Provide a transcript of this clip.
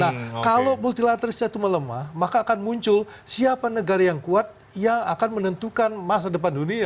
nah kalau multilaterisnya itu melemah maka akan muncul siapa negara yang kuat yang akan menentukan masa depan dunia